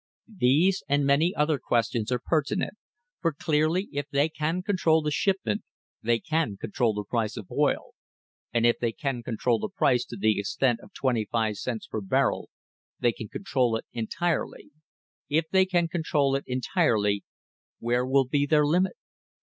These and many other questions are pertinent, for clearly if they can control the shipment they can control the price of oil, and if they can control the price to the extent of twenty five cents per barrel, they can control it entirely. If they can control it entirely, where will be their limit